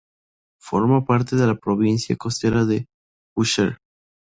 Forma parte de la provincia costera de Bushehr.